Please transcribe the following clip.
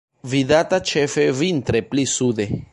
Vidata ĉefe vintre pli sude.